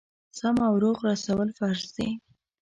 سم او روغ رسول فرض دي.